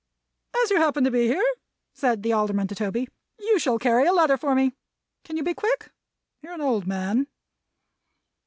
"As you happen to be here," said the Alderman to Toby, "you shall carry a letter for me. Can you be quick? You're an old man."